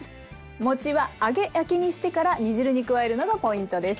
餅は揚げ焼きにしてから煮汁に加えるのがポイントです。